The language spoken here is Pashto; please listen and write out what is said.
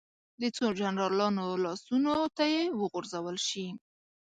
د څو جنرالانو لاسونو ته وغورځول شي.